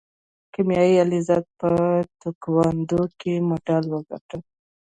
کیمیا علیزاده په تکواندو کې مډال وګاټه.